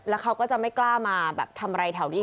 แล้วเขาก็จะไม่กล้ามาแบบทำอะไรแถวนี้อีก